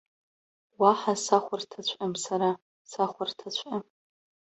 Уаҳа сахәарҭаҵәҟьам сара, сахәарҭаҵәҟьам!